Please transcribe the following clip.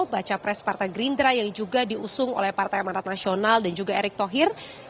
baca pres partai gerindra yang juga diusung oleh partai amanat nasional dan juga erick thohir